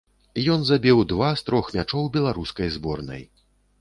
Ён забіў два з трох мячоў беларускай зборнай.